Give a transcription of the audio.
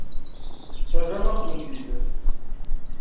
Terram-aɣ-tent-id.